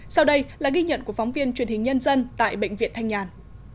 sau đây là ghi nhận của phóng viên truyền hình nhân dân tại bệnh viện thanh nhàn